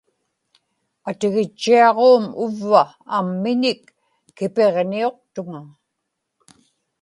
atigitchiaġuum uvva ammiñik kipiġniuqtuŋa